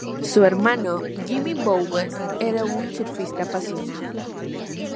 Su hermano, Jimmy Bowles, era un surfista apasionado.